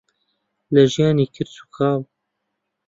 لە ژیانی کرچ و کاڵ.